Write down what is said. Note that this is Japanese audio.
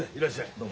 どうも。